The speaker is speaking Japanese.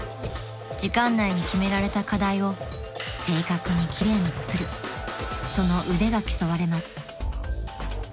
［時間内に決められた課題を正確に奇麗に作るその腕が競われます］